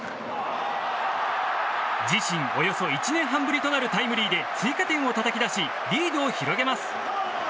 自身およそ１年半ぶりとなるタイムリーで追加点をたたき出しリードを広げます。